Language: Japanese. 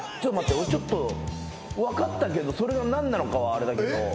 俺ちょっと分かったけどそれが何なのかはあれだけど。